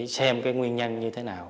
xem cái nguyên nhân như thế nào